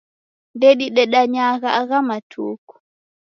Ndedidedanyagha agha matuku